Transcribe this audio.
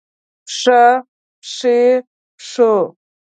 پښه ، پښې ، پښو